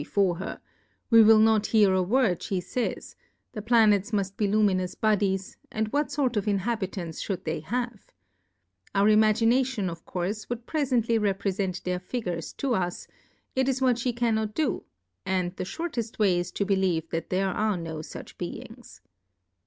before her, we will not hear a Word flie fays, the Planets muil: be Luminous Bodies, and what fort of Inhabitants fliould they )iave ? Our Imagination of Courfe w^ould prefently reprefent their Figures to us, it is what ihe cannot do, and the iliortettWay is to believe there are no fuch Beings.